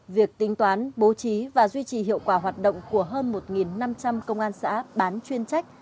việc tính toán bố trí và duy trì hiệu quả hoạt động của hơn một năm trăm linh công an xã bán chuyên trách